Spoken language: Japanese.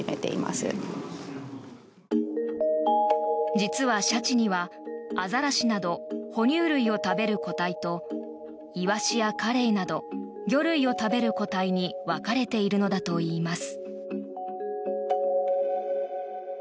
実はシャチには、アザラシなど哺乳類を食べる個体とイワシやカレイなど魚類を食べる個体に分かれているのだといいます。